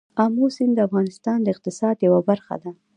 آمو سیند د افغانستان د اقتصاد یوه برخه ده.